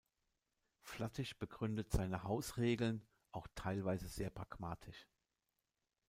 Flattich begründet seine "Hausregeln" auch teilweise sehr pragmatisch.